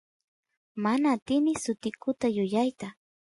mana atini sutikuta yuyayta